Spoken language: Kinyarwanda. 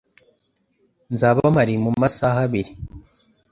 Nzaba mpari mumasaha abiri.